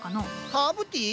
ハーブティー？